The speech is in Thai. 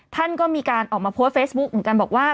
ท่านก็มีการออกมาโพสต์เฟซบุ๊คเหมือนกันบอกว่า